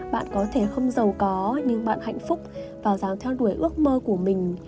bạn có thể không giàu có nhưng bạn hạnh phúc và dám theo đuổi ước mơ của mình